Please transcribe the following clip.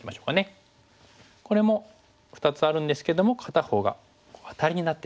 これも２つあるんですけども片方がアタリになってしまう。